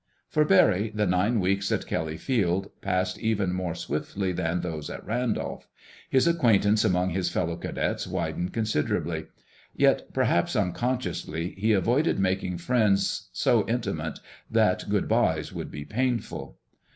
For Barry, the nine weeks at Kelly Field passed even more swiftly than those at Randolph. His acquaintance among his fellow cadets widened considerably. Yet, perhaps unconsciously, he avoided making friends so intimate that good bys would be painful.